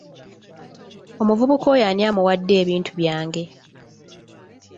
Omuvubuka oyo ani amuwadde ebintu byange.